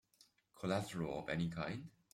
Collateral of any kind?